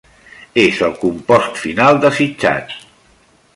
És el compost final desitjat.